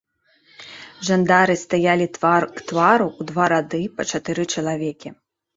Жандары стаялі твар к твару ў два рады, па чатыры чалавекі.